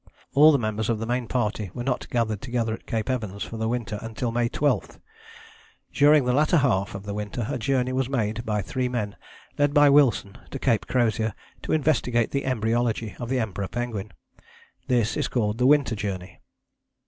All the members of the Main Party were not gathered together at Cape Evans for the winter until May 12. During the latter half of the winter a journey was made by three men led by Wilson to Cape Crozier to investigate the embryology of the Emperor penguin: this is called the Winter Journey.